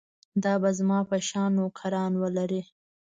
دا به زما په شان نوکران ولري.